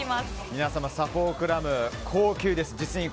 皆様、サフォークラム実に高級です。